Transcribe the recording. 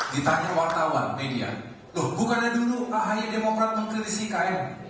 ditanya wartawan media loh bukannya dulu ahy demokrat mengkritisi ikn